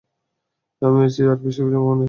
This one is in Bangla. আমি এরচেয়ে আরও বেশি অপমানের প্রাপ্য, অমুধা!